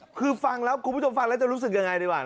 คุณผู้ชมฟังแล้วคุณผู้ชมรู้สึกยังไงดีกว่านะ